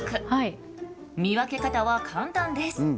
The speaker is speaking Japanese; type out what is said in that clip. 見分け方は簡単です。